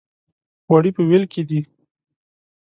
غوړي په وېل کې دي.